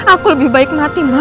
aku lebih baik mati